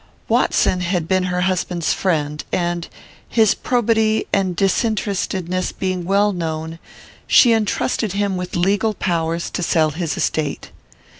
Watson had been her husband's friend, and, his probity and disinterestedness being well known, she intrusted him with legal powers to sell this estate.